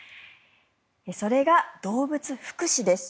それが動物福祉です。